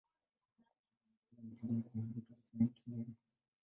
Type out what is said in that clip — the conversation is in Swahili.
Uko kwenye mdomo mpana wa mto Saint John.